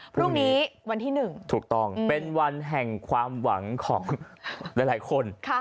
พรุ่งนี้วันที่๑ถูกต้องเป็นวันแห่งความหวังของหลายคน